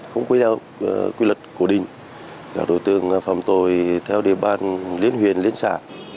không quy luật cổ định các đối tượng phạm tội theo địa bàn liên huyền liên xã